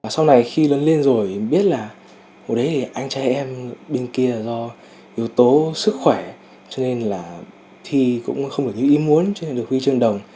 sau này khi lớn lên rồi biết là hồi đấy thì anh trai em bên kia là do yếu tố sức khỏe cho nên là thi cũng không được như ý muốn cho nên được huy chương đồng